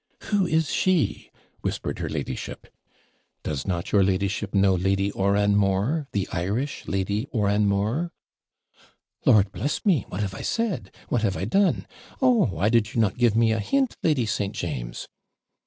'Who is she?' whispered her ladyship. 'Does not your ladyship know Lady Oranmore the Irish Lady Oranmore?' 'Lord bless me! what have I said! what have I done! Oh! why did not you give me a hint, Lady St. James?'